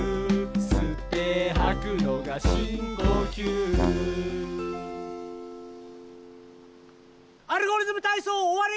「すってはくのがしんこきゅう」「アルゴリズムたいそう」おわり！